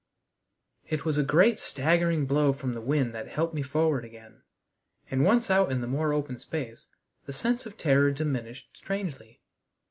It was a great staggering blow from the wind that helped me forward again, and once out in the more open space, the sense of terror diminished strangely.